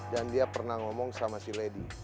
dan dia pernah ngomong sama si lady